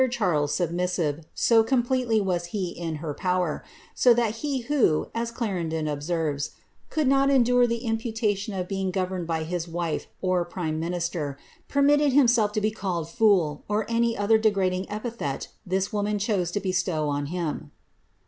2G9 derpri Charles submissive, so completely was he in her power ; so that he who, as Clarendon observes, could not endure the imputation of being governed by his wife or prime minister, permitted himself to be called foolf^ or any other degrading epithet this woman chose to bestow on him.